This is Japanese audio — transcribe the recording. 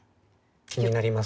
気になりますよね。